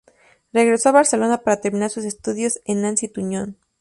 Regresó a Barcelona para terminar sus estudios en Nancy Tuñón.